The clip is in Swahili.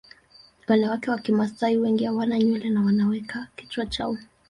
Wanawake wa Kimasai wengi hawana nywele na wanaweka kichwa chao